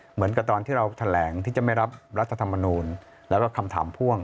เหมือนกับตอนที่เราแถลงที่จะไม่รับรัฐธรรมนูลแล้วก็คำถามพ่วง